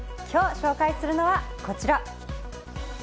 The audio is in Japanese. きょう紹介するのはこちら。